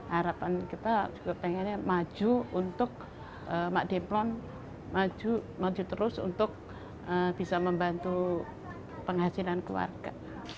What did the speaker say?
harapan kita juga pengennya maju untuk mak demplon maju terus untuk bisa membantu penghasilan keluarga